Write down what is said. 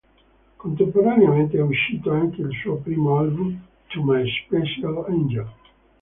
Contemporaneamente è uscito anche il suo primo album, "To My Special Angel".